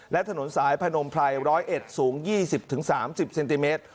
และถนนสายพนมไพรร้อยเอ็ดสูงยี่สิบถึงสามสิบเซนติเมตร